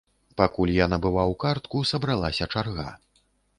Пакуль я набываў картку, сабралася чарга.